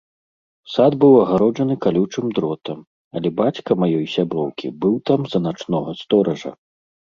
Сад быў агароджаны калючым дротам, але бацька маёй сяброўкі быў там за начнога стоража.